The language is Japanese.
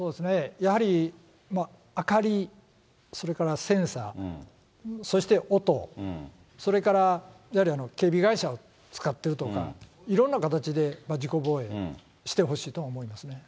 やはり明かり、それからセンサー、そして音、それからやはり警備会社を使ってるとか、いろんな形で自己防衛してほしいと思いますね。